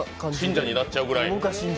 信者になっちゃうぐらい？